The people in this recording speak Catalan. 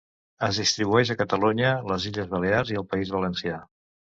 Es distribueix a Catalunya, les Illes Balears i al País Valencià.